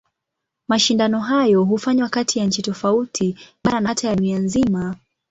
Mashindano hayo hufanywa kati ya nchi tofauti, bara na hata ya dunia nzima.